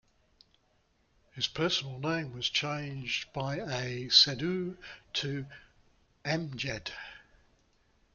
His personal name was changed by a sadhu to Amjad.